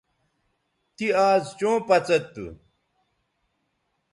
تی آز چوں پڅید تھو